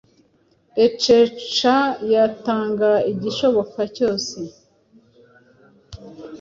rebecca yatanga igishoboka cyose